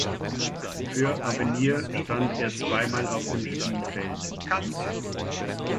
Für Avenir stand er zweimal auf dem Spielfeld.